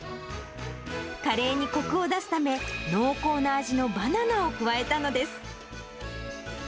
カレーにこくを出すため、濃厚な味のバナナを加えたのです。